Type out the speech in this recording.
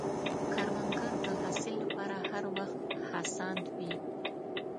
کروندګر د حاصل له پاره هر وخت هڅاند وي